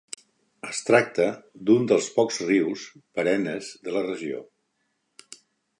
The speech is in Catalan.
Es tracta d’un dels pocs rius perennes de la regió.